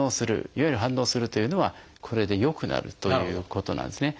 いわゆる「反応する」というのはこれで良くなるということなんですね。